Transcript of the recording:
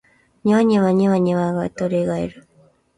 庭には二羽鶏がいる